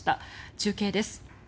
中継です。